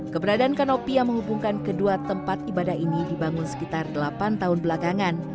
keberadaan kanopi yang menghubungkan kedua tempat ibadah ini dibangun sekitar delapan tahun belakangan